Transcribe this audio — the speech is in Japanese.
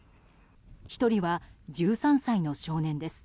１人は１３歳の少年です。